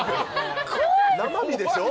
生身でしょ。